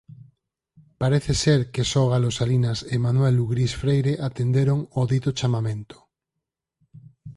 Parece ser que só Galo Salinas e Manuel Lugrís Freire atenderon ao dito chamamento.